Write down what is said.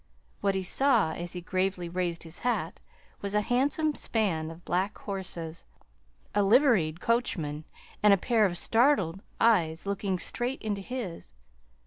What he saw as he gravely raised his hat was a handsome span of black horses, a liveried coachman, and a pair of startled eyes looking straight into his.